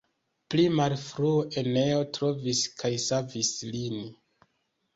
Pli malfrue Eneo trovis kaj savis lin.